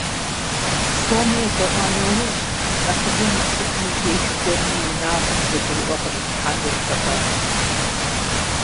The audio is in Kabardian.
Псоми едэӀуа нэужь, нэхъыжьыр Насыпым и деж кӀуэри и унагъуэм зэгурыӀуэ кърилъхьэну елъэӀуащ.